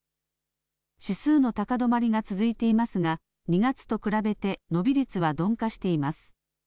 指数の高止まりが続いていますが２月と比べて伸び率は鈍化しています。